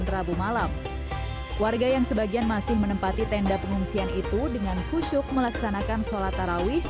rabu malam warga yang sebagian masih menempati tenda pengungsian itu dengan kusyuk melaksanakan sholat tarawih